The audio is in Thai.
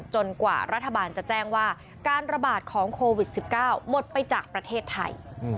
กว่ารัฐบาลจะแจ้งว่าการระบาดของโควิด๑๙หมดไปจากประเทศไทย